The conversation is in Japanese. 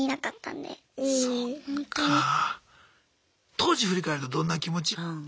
当時振り返るとどんな気持ち？